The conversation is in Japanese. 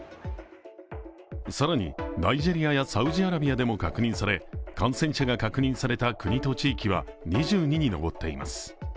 更に、ナイジェリアやサウジアラビアでも確認され、感染者が確認された国と地域は２２に上っています。